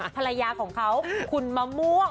ภรรยาของเขาคุณมะม่วง